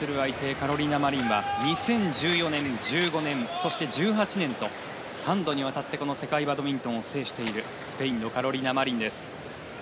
カロリナ・マリンは２０１４年、１５年そして１８年と、３度にわたって世界バドミントンを制しているスペインのカロリナ・マリン。